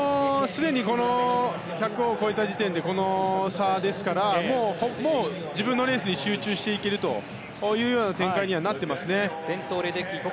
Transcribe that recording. すでに１００を超えた時点でこの差ですから自分のレースに集中していけるというような先頭はレデッキー。